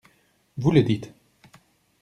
Vous le dites!